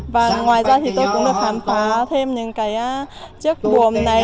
và ngoài ra thì tôi cũng được khám phá thêm những cái chiếc buồng này